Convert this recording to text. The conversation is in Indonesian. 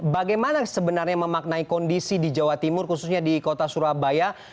bagaimana sebenarnya memaknai kondisi di jawa timur khususnya di kota surabaya